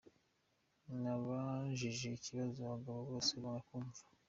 Nabajije ikibazo abagabo bose banga kumva.